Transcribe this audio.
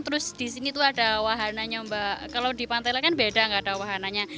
terus di sini ada wahananya kalau di pantai kan beda tidak ada wahananya